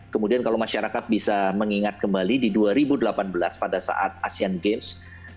kemudian kalau masyarakat bisa mengingat kembali di dua ribu delapan belas pada saat asean games